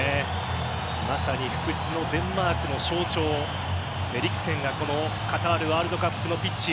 まさに不屈のデンマークの象徴エリクセンがこのカタールワールドカップのピッチ。